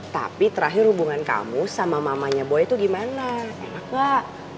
tapi terakhir hubungan kamu sama mamanya boy itu gimana enak gak